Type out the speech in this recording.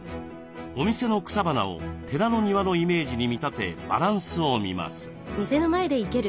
お店の草花を寺の庭のイメージに見立てバランスを見ます。